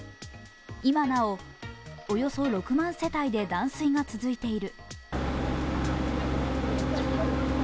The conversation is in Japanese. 今なおおよそ６万世帯で断水が続いている。